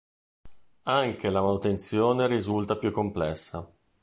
Anche la manutenzione risulta più complessa.